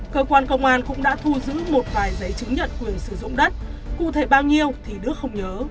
cơ quan công an cũng đã thu giữ một vài giấy chứng nhận quyền sử dụng đất cụ thể bao nhiêu thì đức không nhớ